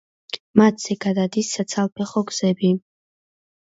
მათზე გადადის საცალფეხო გზები.